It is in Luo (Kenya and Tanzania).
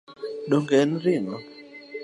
Donge en ring’o